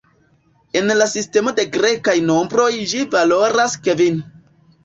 En la sistemo de grekaj nombroj ĝi valoras kvin.